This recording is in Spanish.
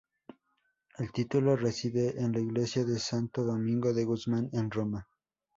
El título reside en la Iglesia de Santo Domingo de Guzmán en Roma.